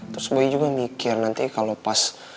terus boy juga mikir nanti pas